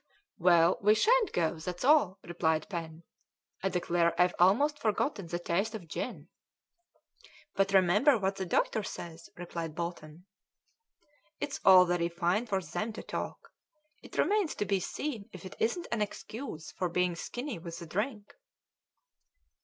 "Well, we shan't go, that's all," replied Pen. "I declare I've almost forgotten the taste of gin." "But remember what the doctor says," replied Bolton. "It's all very fine for them to talk. It remains to be seen if it isn't an excuse for being skinny with the drink."